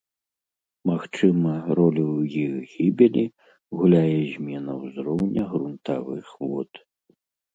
Магчыма, ролю ў іх гібелі гуляе змена ўзроўня грунтавых вод.